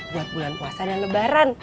buat bulan puasa dan lebaran